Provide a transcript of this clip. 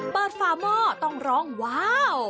เปิดฟาหม้อต้องร้องว้าว